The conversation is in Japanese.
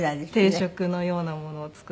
定食のようなものを作って。